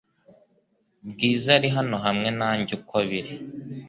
Bwiza ari hano hamwe nanjye uko biri